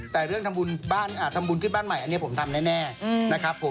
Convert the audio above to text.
แต่เรื่องทำบุญขึ้นบ้านใหม่อันนี้ผมทำแน่นะครับผม